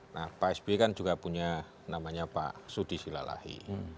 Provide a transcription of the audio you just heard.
nah pak sby kan juga punya namanya pak sudi silalahi